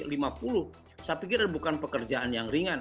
saya pikir bukan pekerjaan yang ringan